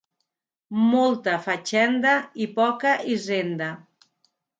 Molta fatxenda i poca hisenda.